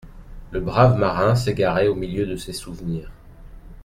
Le brave marin s'égarait au milieu de ses souvenirs.